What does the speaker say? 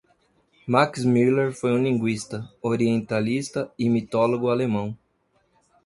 Max Müller foi um linguista, orientalista e mitólogo alemão.